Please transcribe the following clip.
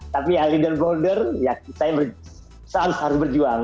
tapi ya leader dan boulder saya yakin saya harus berjuang